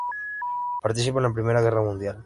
Participa en la Primera Guerra Mundial.